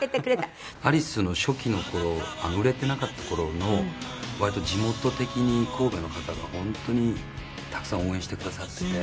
谷村：アリスの初期の頃売れてなかった頃の割と地元的に、神戸の方が本当にたくさん応援してくださってて。